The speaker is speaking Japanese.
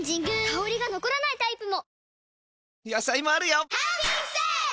香りが残らないタイプも！